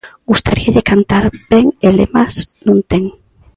Gustaríalle cantar ben e lemas, non ten.